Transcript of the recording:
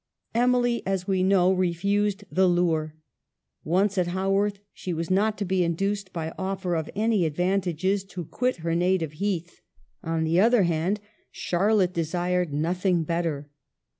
Emily, as we know, refused the lure. Once at Haworth, she was not to be induced, by offer of any advantages, to quit her native heath. On the other hand, Charlotte desired nothing better.